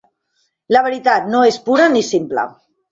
La veritat no és pura ni simple.